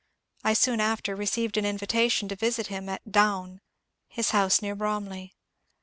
I soon after received an invitation to visit him at " Down," his house near Bromley.